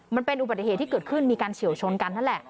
มันเป็นอุบัติเหตุที่เกิดขึ้นมีการเฉียวชนกันนั่นแหละ